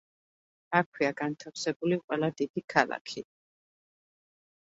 აქვეა განთავსებული ყველა დიდი ქალაქი.